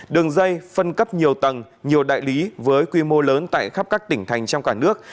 đường dây phân cấp nhiều tầng nhiều đại lý với quy mô lớn tại khắp các tỉnh thành trong cả nước